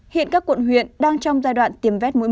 hiện các quận huyện đang trong giai đoạn tiêm vét mũi một